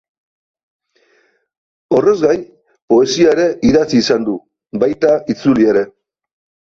Horrez gain, poesia ere idatzi izan du, baita itzuli ere.